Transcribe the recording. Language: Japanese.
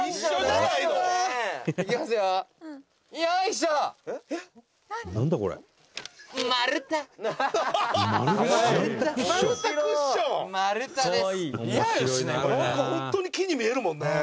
「なんかホントに木に見えるもんね」